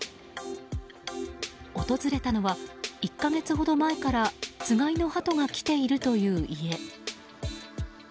訪れたのは１か月ほど前からつがいのハトが来ているという家。